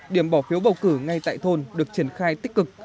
điểm bỏ phiếu bầu cử ngay tại thôn được triển khai tích cực